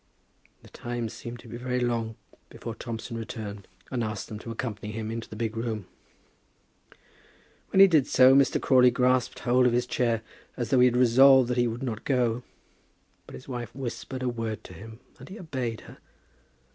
The time seemed to be very long before Thompson returned and asked them to accompany him into the big room. When he did so, Mr. Crawley grasped hold of his chair as though he had resolved that he would not go. But his wife whispered a word to him, and he obeyed her.